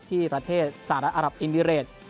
ที่ประเทศสหรัฐอรับอิมิเรต